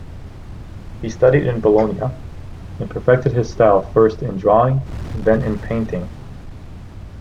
He studied in Bologna, and perfected his style first in drawing, then in painting.